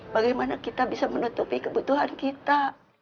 bagaimana kita bisa menutupi kebutuhan kita